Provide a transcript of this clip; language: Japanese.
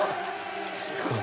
すごい！